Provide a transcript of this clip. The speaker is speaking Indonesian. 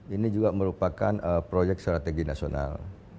ini juga merupakan proyek strategi nasional